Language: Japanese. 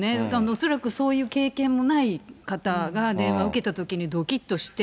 恐らくそういう経験もない方が、電話を受けたときにどきっとして。